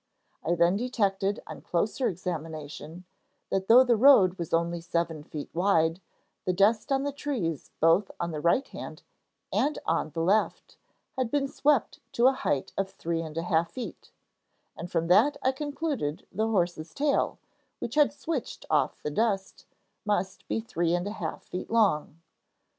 I then detected on closer examination, that though the road was only seven feet wide, the dust on the trees both on the right hand and on the left had been swept to a height of three and a half feet, and from that I concluded the horse's tail, which had switched off the dust, must be three and a half feet long.